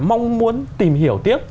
mong muốn tìm hiểu tiếp